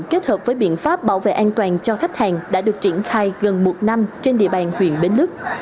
kết hợp với biện pháp bảo vệ an toàn cho khách hàng đã được triển khai gần một năm trên địa bàn huyện bến lức